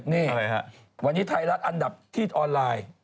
นี่วันนี้ไทยรัฐอันดับที่ออนไลน์